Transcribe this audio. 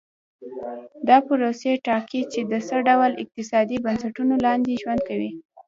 دا پروسې ټاکي چې د څه ډول اقتصادي بنسټونو لاندې ژوند کوي.